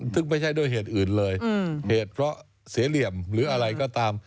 ซึ่งไม่ใช่ด้วยเหตุอื่นเลยเหตุเพราะเสียเหลี่ยมหรืออะไรก็ตาม